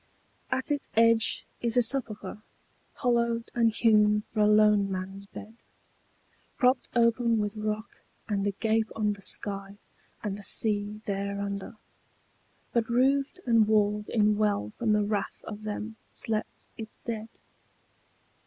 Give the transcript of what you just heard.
At its edge is a sepulchre hollowed and hewn for a lone man's bed, Propped open with rock and agape on the sky and the sea thereunder, But roofed and walled in well from the wrath of them slept its dead.